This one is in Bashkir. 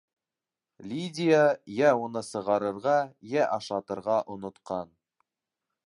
Лидия йә уны сығарырға, йә ашатырға онотҡан...